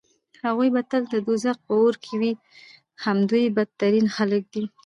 هغوی به تل د دوزخ په اور کې وي همدوی بدترين خلک دي